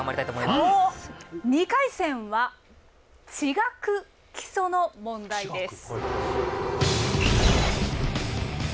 ２回戦は「地学基礎」の問題です。